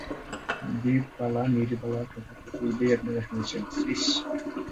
নৃপবালা-নীরবালার কথা তো পূর্বেই আপনারা শুনেছেন– শ্রীশ।